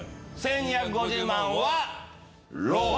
１２５０万はロー。